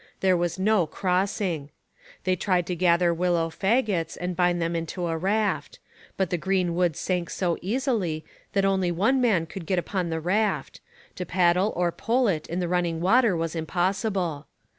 There was no crossing. They tried to gather willow faggots, and bind them into a raft. But the green wood sank so easily that only one man could get upon the raft: to paddle or pole it in the running water was impossible.